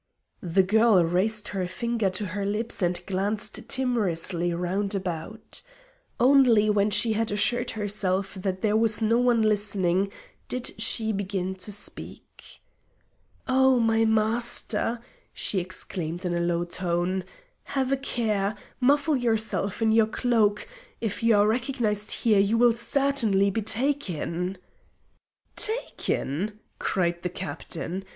The girl raised her finger to her lips and glanced timorously round about. Only when she had assured herself that there was no one listening did she begin to speak. "Oh, my Master!" she exclaimed in a low tone; "have a care! Muffle yourself in your cloak! If you are recognised here you will certainly be taken!" "Taken!" cried the Captain.